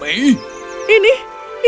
apa apa itu benar benar naomi